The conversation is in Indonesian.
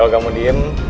kalau kamu diem